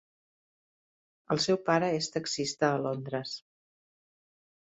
El seu pare és taxista a Londres.